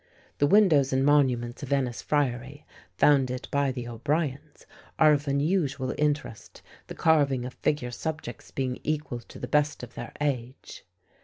The windows and monuments of Ennis Friary, founded by the O'Briens, are of unusual interest, the carving of figure subjects being equal to the best of their age.